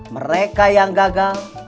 mereka yang gagal